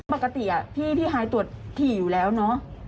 ปกติพี่ฮายตรวจถี่อยู่แล้วเนอะ